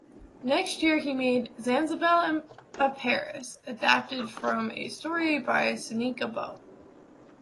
Next year, he made "Zanzabelle a Paris" adapted from a story by Sonika Bo.